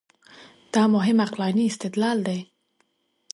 دا مهم عقلاني استدلال دی.